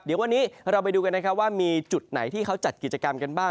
เดี๋ยววันนี้เราไปดูกันนะครับว่ามีจุดไหนที่เขาจัดกิจกรรมกันบ้าง